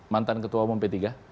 mantan ketua umum p tiga